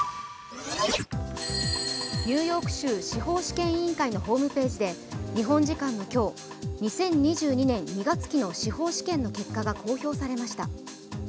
ニューヨーク州司法試験委員会のホームページで日本時間の今日、２０２２年２月期の司法試験の結果が公表されました。